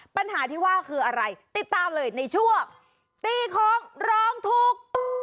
ปัญหาที่ว่าคืออะไรติดตามเลยในช่วงตีของร้องถูก